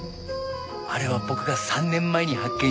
あれは僕が３年前に発見した星です。